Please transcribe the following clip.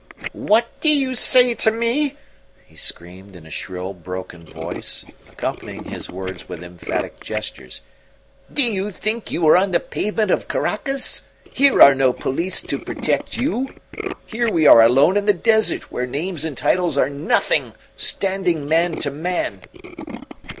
"What do you say to me?" he screamed in a shrill, broken voice, accompanying his words with emphatic gestures. "Do you think you are on the pavement of Caracas? Here are no police to protect you here we are alone in the desert where names and titles are nothing, standing man to man."